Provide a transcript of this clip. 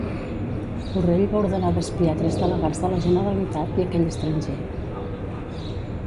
Borrell va ordenar d'espiar tres delegats de la Generalitat i aquell estranger.